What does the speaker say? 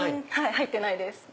入ってないです。